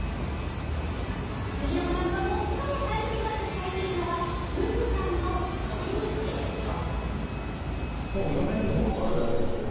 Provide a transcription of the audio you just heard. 杉山さんが最も大切だと伝えているのは、夫婦間のコミュニケーション。